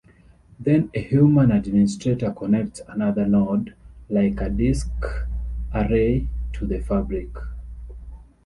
Then a human administrator connects another node, like a disk array, to the fabric.